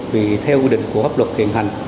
vì theo quy định của pháp luật hiện hành